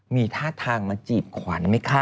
มีท่าทางมาจีบขวัญไหมคะ